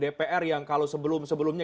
dpr yang kalau sebelum sebelumnya